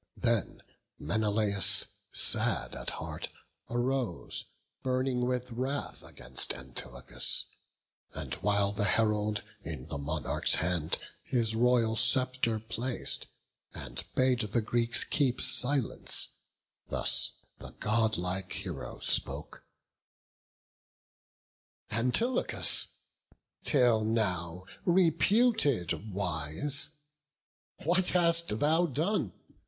Then Menelaus, sad at heart, arose, Burning with wrath against Antilochus; And while the herald in the monarch's hand His royal sceptre plac'd, and bade the Greeks Keep silence, thus the godlike hero spoke: "Antilochus, till now reputed wise, What hast thou done?